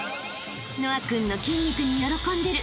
［和青君の筋肉に喜んでる有以